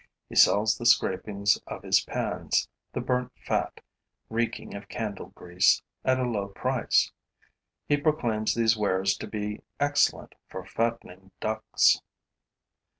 He sells the scrapings of his pans, the burnt fat, reeking of candle grease, at a low price. He proclaims these wares to be excellent for fattening ducks.